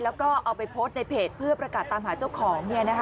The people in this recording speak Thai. แล้วก็เอาไปโพสต์ในเพจเพื่อประกาศตามหาเจ้าของ